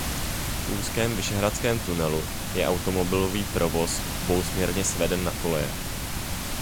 V úzkém Vyšehradském tunelu je automobilový provoz obousměrně sveden na koleje.